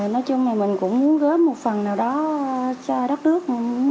nói chung là mình cũng muốn góp một phần nào đó cho đất nước